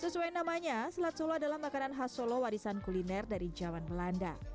sesuai namanya selat solo adalah makanan khas solo warisan kuliner dari zaman belanda